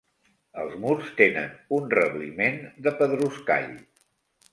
Els murs tenen un rebliment de pedruscall.